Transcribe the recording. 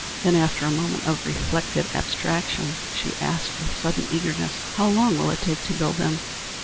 Then, after a moment of reflective abstraction, she asked with sudden eagerness, "How long will it take to build them?"